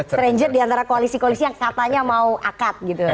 stranger di antara koalisi koalisi yang katanya mau akat gitu